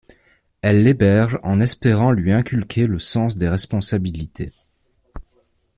Elle l'héberge en espérant lui inculquer le sens des responsabilités.